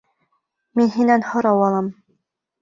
Мин һинән һорау алам.